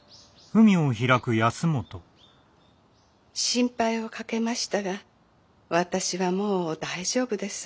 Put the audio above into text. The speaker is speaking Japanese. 「心配をかけましたが私はもう大丈夫です。